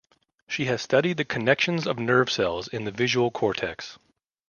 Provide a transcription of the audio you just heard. She has studied the connections of nerve cells in the visual cortex.